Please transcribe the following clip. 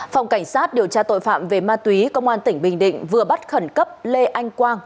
phòng cảnh sát điều tra tội phạm về ma túy công an tỉnh bình định vừa bắt khẩn cấp lê anh quang